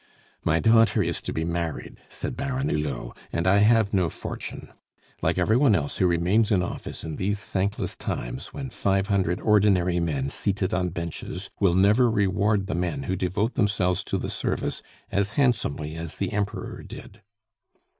"My daughter is to be married," said Baron Hulot, "and I have no fortune like every one else who remains in office in these thankless times, when five hundred ordinary men seated on benches will never reward the men who devote themselves to the service as handsomely as the Emperor did."